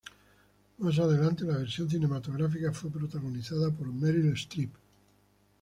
Más adelante la versión cinematográfica fue protagonizada por Meryl Streep.